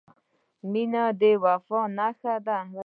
• مینه د وفا نښه ده.